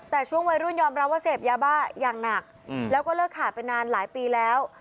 แต่ช่วงวัยรุ่นยอมรับว่าเสพยาบ้าอย่างหนักแล้วก็เลิกขาดไปนานหลายปีแล้ว